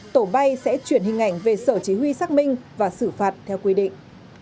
tổ bay sẽ chuyển hình ảnh về sở chỉ huy xác minh và xử phạt theo quy định